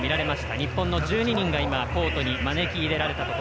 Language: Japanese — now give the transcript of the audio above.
日本の１２人がコートに招き入れられました。